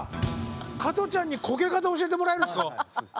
加トちゃんにこけ方教えてもらえるんですか？